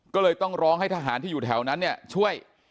ก็เลยต้องร้องให้ทหารที่อยู่แถวนั้นเนี่ยช่วย